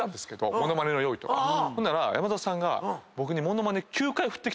ほんなら山里さんが僕に。